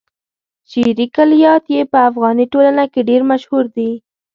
شعري کلیات يې په افغاني ټولنه کې ډېر مشهور دي.